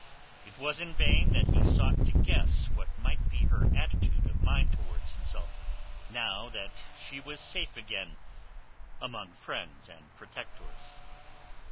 It was in vain that he sought to guess what might be her attitude of mind towards himself now that she was safe again among friends and protectors.